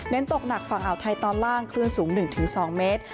ตกหนักฝั่งอ่าวไทยตอนล่างคลื่นสูง๑๒เมตร